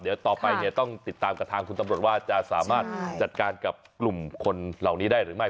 เดี๋ยวต่อไปเนี่ยต้องติดตามกับทางคุณตำรวจว่าจะสามารถจัดการกับกลุ่มคนเหล่านี้ได้หรือไม่